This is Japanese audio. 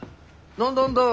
何だあんだ